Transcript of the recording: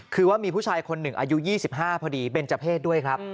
คือว่ามีผู้ชายคนหนึ่งอายุ๒๕พอดีเบนเจอร์เพศด้วยครับ